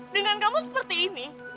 dengan kamu seperti ini